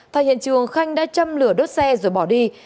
thay hiện trường khanh đã châm lửa đốt xe rồi bỏ đi